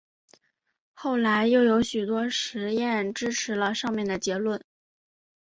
后来又有许多实验支持了上面的结论。